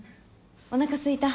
おなかすいた？